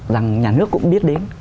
rằng nhà nước cũng biết đến